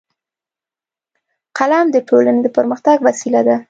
قلم د ټولنې د پرمختګ وسیله ده